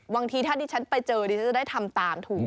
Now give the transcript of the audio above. บางทีถ้าดิฉันไปเจอดิฉันจะได้ทำตามถูก